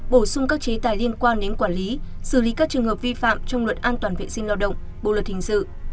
bổ sung các chế tài liên quan đến quản lý xử lý các trường hợp vi phạm trong luật an toàn vệ sinh lao động bộ luật hình sự